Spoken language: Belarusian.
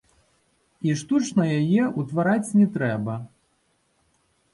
І штучна яе ўтвараць не трэба.